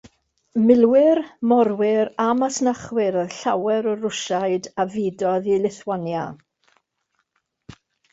Milwyr, morwyr, a masnachwyr oedd llawer o'r Rwsiaid a fudodd i Lithwania.